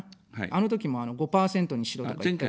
あのときも、５％にしろとか言って。